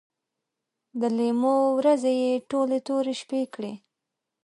د لیمو ورځې یې ټولې تورې شپې کړې